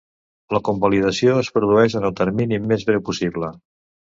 La convalidació es produeix en el termini més breu possible.